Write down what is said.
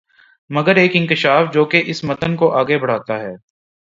مگر ایک انکشاف جو کہ اس متن کو آگے بڑھاتا ہے